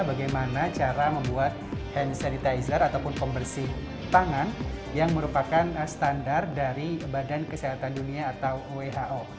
bagaimana cara membuat hand sanitizer ataupun pembersih tangan yang merupakan standar dari badan kesehatan dunia atau who